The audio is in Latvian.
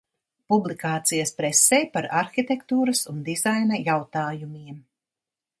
Publikācijas presē par arhitektūras un dizaina jautājumiem.